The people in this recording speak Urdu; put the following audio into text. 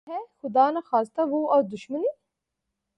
ھے ھے! خدا نخواستہ وہ اور دشمنی